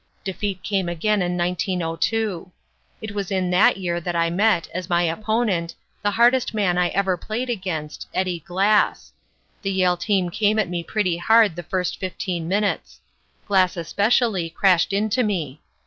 Defeat came again in 1902. It was in that year that I met, as my opponent, the hardest man I ever played against, Eddie Glass. The Yale team came at me pretty hard the first fifteen minutes. Glass especially crashed into me.